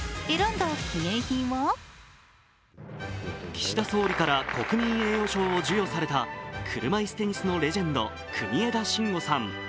岸田総理から国民栄誉賞を授与された車いすテニスのレジェンド国枝慎吾さん。